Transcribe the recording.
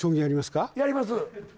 やります